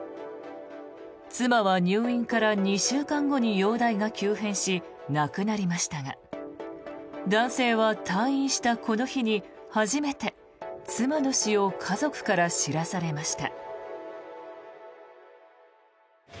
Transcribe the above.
妻は入院から２週間後に容体が急変し、亡くなりましたが男性は退院したこの日に初めて妻の死を家族から知らされました。